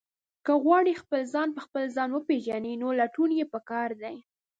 که غواړئ خپل ځان په خپل ځان وپېژنئ، نو لټون یې پکار دی.